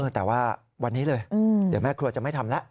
แต่ว่าวันนี้เลยเดี๋ยวแม่ครัวจะไม่ทำแล้ว